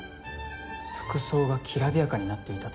服装がきらびやかになっていたと。